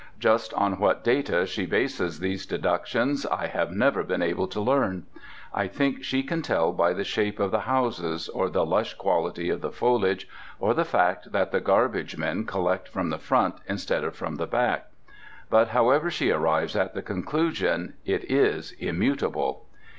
Just on what data she bases these deductions I have never been able to learn. I think she can tell by the shape of the houses, or the lush quality of the foliage, or the fact that the garbage men collect from the front instead of from the back. But however she arrives at the conclusion, it is immutable.